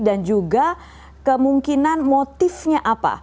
dan juga kemungkinan motifnya apa